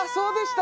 た